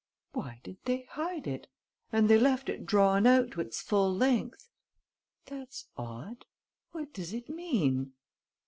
"Why did they hide it?... And they left it drawn out to its full length.... That's odd.... What does it mean?"